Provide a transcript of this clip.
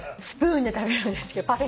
スプーンで食べるんですけど。